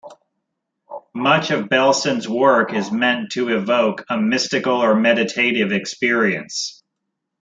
Much of Belson's work is meant to evoke a mystical or meditative experience.